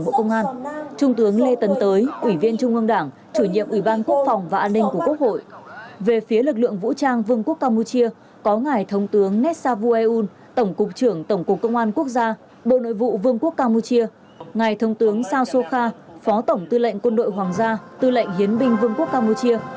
bộ nội vụ vương quốc campuchia ngài thông tướng sao sô kha phó tổng tư lệnh quân đội hoàng gia tư lệnh hiến binh vương quốc campuchia